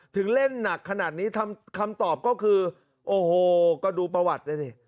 ถึงเล่นหนักขนาดนี้คำตอบก็คือโอ้โหก็ดูประวัติเลยสิ